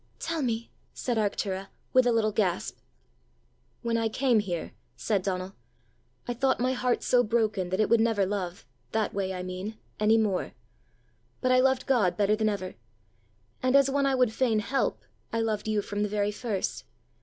"Tell me," said Arctura, with a little gasp. "When I came here," said Donal, "I thought my heart so broken that it would never love that way, I mean any more. But I loved God better than ever: and as one I would fain help, I loved you from the very first.